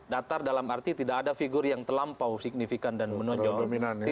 datar dalam arti tidak ada figur yang terlampau signifikan dan menonjol